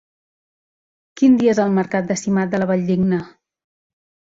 Quin dia és el mercat de Simat de la Valldigna?